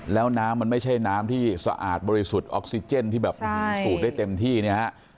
แล้วน้ำมันไม่ใช่น้ำที่สะอาดบริสุทธิ์ออกซิเจนที่แบบมันสูดได้เต็มที่เนี่ยฮะ